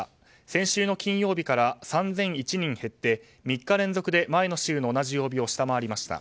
先週の金曜日から３００１人減って３日連続で前の週の同じ曜日を下回りました。